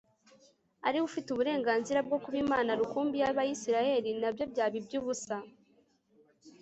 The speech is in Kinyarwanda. ari we ufite uburenganzira bwo kuba Imana rukumbi yAbisirayeli nabyo byabaye ibyubusa